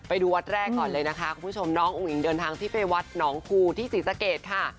ไปดูวัดแรกก่อนเลยนะคะคุณผู้ชมน้องอุ้งอิงเดินทางที่ไปวัดหนองกูที่ศรีสะเกดค่ะ